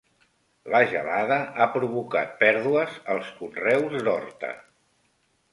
La gelada ha provocat pèrdues als conreus d'horta.